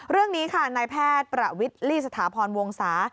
เรื่องนี้ค่ะนายแพทย์ประวิทลี่สถาพรวงศา